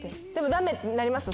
ダメってなりますか？